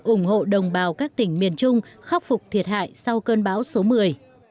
ủng hộ đồng bào các tỉnh miền trung khắc phục thiệt hại sau cơn bão số một mươi